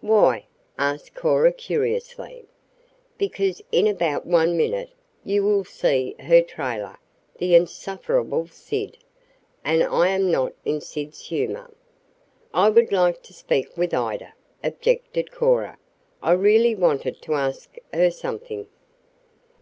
"Why?" asked Cora curiously. "Because in about one minute you will see her trailer, the insufferable Sid, and I am not in Sid's humor. "I would like to speak with Ida," objected Cora. "I really wanted to ask her something."